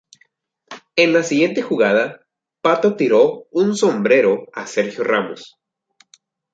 En la siguiente jugada, Pato tiró un "sombrero" a Sergio Ramos.